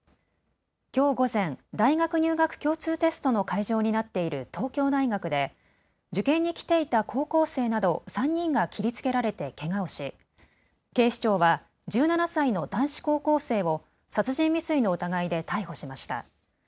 きょう午前、大学入学共通テストの会場になっている東京大学で受験に来ていた高校生など３人が切りつけられてけがをし警視庁は１７歳の男子高校生を殺人未遂の疑いで逮捕しました。